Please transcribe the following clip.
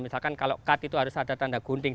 misalkan kalau cut itu harus ada tanda gunting